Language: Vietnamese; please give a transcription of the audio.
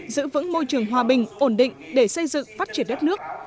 giữ vững môi trường hòa bình ổn định để xây dựng phát triển đất nước